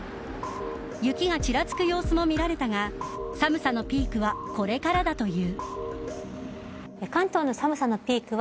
雪がちらつく様子も見られたが寒さのピークはこれからだという。